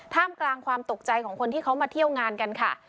ท่ามกลางความตกใจของคนที่เขามาเที่ยวงานกันค่ะ